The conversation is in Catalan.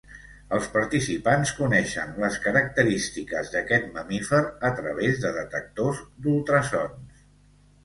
Els participants coneixen les característiques d’aquest mamífer a través de detectors d’ultrasons.